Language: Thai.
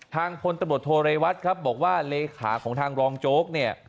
ทางพลตบทโทเรวัตบอกว่าเลขาของทางรองโจ๊ก